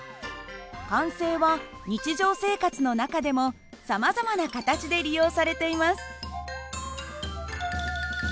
慣性は日常生活の中でもさまざまな形で利用されています。